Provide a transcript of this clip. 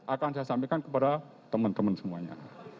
akan saya sampaikan kepada teman teman semuanya